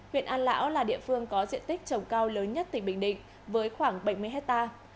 huyện an lão là địa phương có diện tích trồng cao lớn nhất tỉnh bình định với khoảng bảy mươi hectare